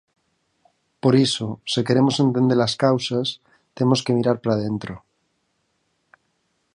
Por iso, se queremos entender as causas, temos que mirar para dentro.